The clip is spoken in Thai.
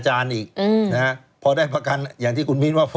สร้างแทบประกันตัวก็ต้องศึก